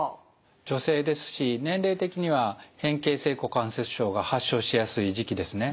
女性ですし年齢的には変形性股関節症が発症しやすい時期ですね。